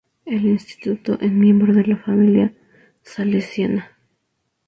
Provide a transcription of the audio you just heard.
El instituto en miembro de la Familia Salesiana.